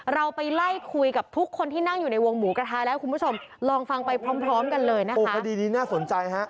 เราไปไล่คุยกับทุกคนที่นั่งอยู่ในวงหมูกระทะแล้วคุณผู้ชมลองฟังไปพร้อมกันเลยนะคะ